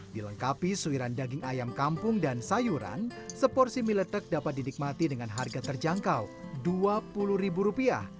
dilengkapi suiran daging ayam kampung dan sayuran seporsi mie letek dapat dinikmati dengan harga terjangkau rp dua puluh